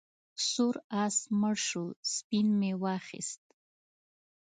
سور آس مړ شو سپین مې واخیست.